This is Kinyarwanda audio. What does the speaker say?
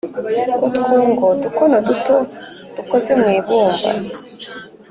utwungo: udukono duto dukoze mu ibumba.